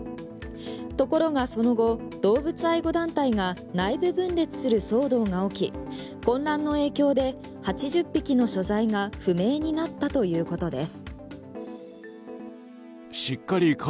ところがその後、動物愛護団体が内部分裂する騒動が起き混乱の影響で８０匹の所在が不明になったということです。